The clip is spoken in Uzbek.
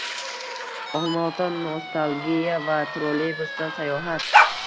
Olmaota – nostalgiya va trolleybusda sayohat...